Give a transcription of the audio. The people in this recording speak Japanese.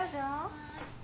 はい。